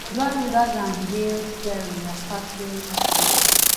Dual rudders and wheel steering were factory options.